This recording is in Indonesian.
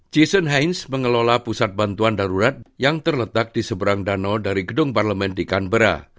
jason heinz mengelola pusat bantuan darurat yang terletak di seberang danau dari gedung parlemen di kanbera